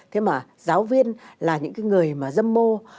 thế mà giáo viên là những cái người mà dâm mô